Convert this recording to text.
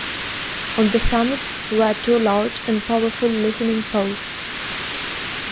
On the summit were two large and powerful listening posts.